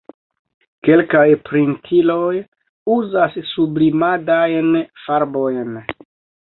Kelkaj printiloj uzas sublimadajn farbojn.